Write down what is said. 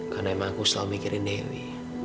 karena emang aku selalu mikirin dewi